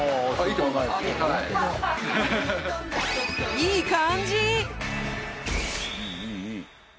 いい感じ！